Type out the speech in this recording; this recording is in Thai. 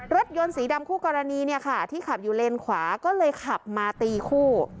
รถยนต์สีดำคู่กรณีเนี่ยค่ะที่ขับอยู่เลนขวาก็เลยขับมาตีคู่